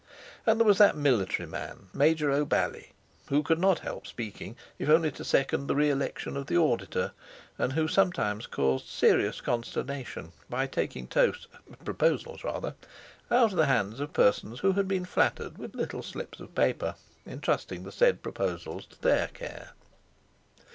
And there was that military man, Major O'Bally, who could not help speaking, if only to second the re election of the auditor, and who sometimes caused serious consternation by taking toasts—proposals rather—out of the hands of persons who had been flattered with little slips of paper, entrusting the said proposals to their care.